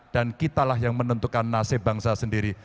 dan kitalah yang menentukan nasib bangsa sendiri